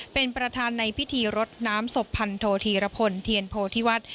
เป็นประธานในพิธีรดน้ำศพพันโทธีรพลเทียนโพธิวัฒน์